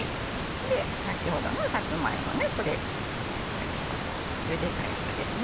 先ほどのさつま芋これ先ほどゆでたやつですね。